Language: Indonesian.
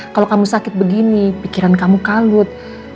kalau kamu sakit begini pikiran kamu kalut